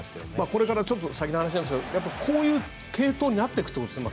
これから、先の話ですがこういう継投になっていくということですか？